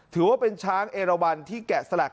ถือว่าเป็นช้างเอราวันที่แกะสลัก